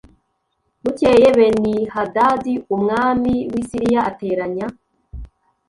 bukeye benihadadi umwami w i siriya ateranya